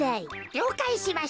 りょうかいしました。